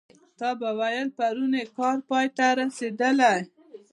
تا به ویل پرون یې کار پای ته رسېدلی.